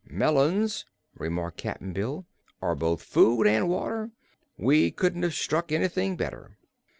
"Melons," remarked Cap'n Bill, "are both food an' water. We couldn't have struck anything better."